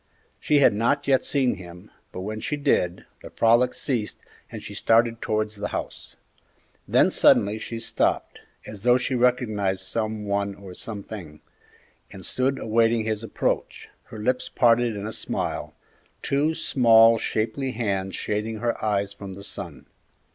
She had not yet seen him; but when she did, the frolic ceased and she started towards the house. Then suddenly she stopped, as though she recognized some one or something, and stood awaiting his approach, her lips parted in a smile, two small, shapely hands shading her eyes from the sun.